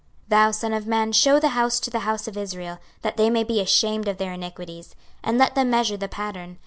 26:043:010 Thou son of man, shew the house to the house of Israel, that they may be ashamed of their iniquities: and let them measure the pattern.